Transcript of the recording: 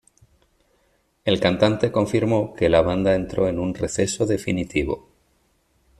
El cantante confirmó que la banda entró en un receso definitivo.